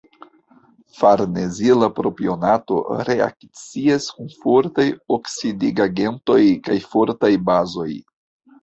Farnezila propionato reakcias kun fortaj oksidigagentoj kaj fortaj bazoj.